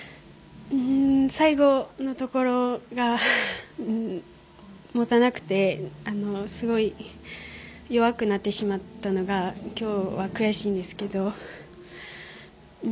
最後のところが持たなくてすごい弱くなってしまったのが今日は悔しいんですけど。